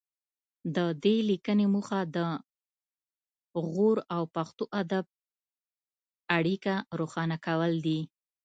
د دې لیکنې موخه د غور او پښتو ادب اړیکه روښانه کول دي